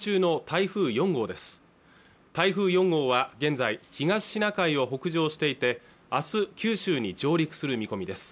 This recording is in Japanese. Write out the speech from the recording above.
台風４号は現在東シナ海を北上していて明日九州に上陸する見込みです